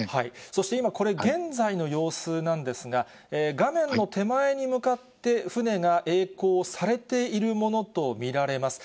そして、今、これ現在の様子なんですが、画面の手前に向かって船がえい航されているものと見られます。